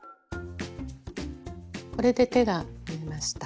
これで手が縫えました。